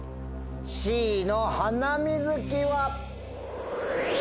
Ｃのハナミズキは。